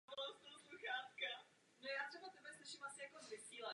Také se musela snažit odstranit svůj kanadský přízvuk.